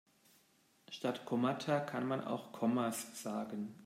Statt Kommata kann man auch Kommas sagen.